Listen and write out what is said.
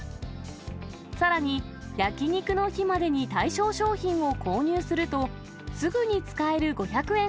さらに、焼き肉の日までに対象商品を購入すると、すぐに使える５００円